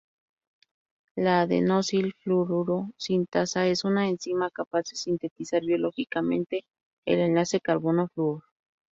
La adenosil-fluoruro sintasa es una enzima capaz de sintetizar biológicamente el enlace carbono-flúor.